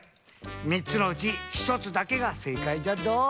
みっつのうちひとつだけがせいかいじゃっど。